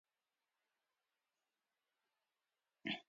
د اسلامي ډلې د نشنلیزم پر ضد جګړه کړې وه.